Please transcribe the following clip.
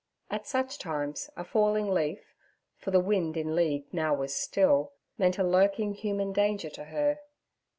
At such times a falling leaf (for the wind in league now was still) meant a lurking human danger to her.